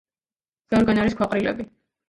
ბევრგან არის ქვაყრილები.